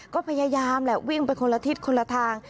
ก็พยายามแหละวิ่งไปคนละทิศคนละทาง